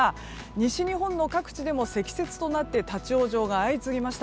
西日本の各地でも積雪となって立ち往生が相次ぎました。